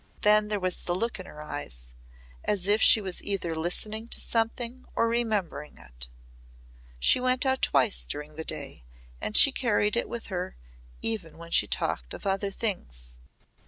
Then there was the look in her eyes, as if she was either listening to something or remembering it. She went out twice during the day and she carried it with her even when she talked of other things.